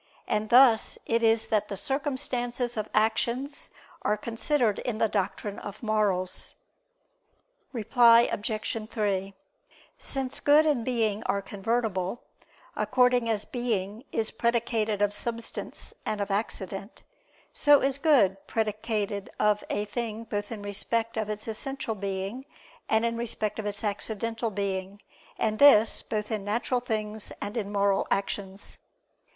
And thus it is that the circumstances of actions are considered in the doctrine of morals. Reply Obj. 3: Since good and being are convertible; according as being is predicated of substance and of accident, so is good predicated of a thing both in respect of its essential being, and in respect of its accidental being; and this, both in natural things and in moral actions.